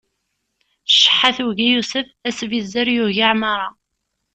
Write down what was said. Ceḥḥa tugi Yusef, asbizzer yugi Ɛmaṛa.